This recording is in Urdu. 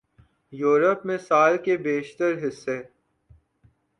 یورپ میں سال کے بیشتر حصے